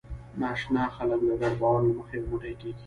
ناآشنا خلک د ګډ باور له مخې یو موټی کېږي.